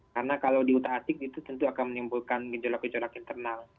karena kalau diutak atik itu tentu akan menimbulkan gejolak gejolak internal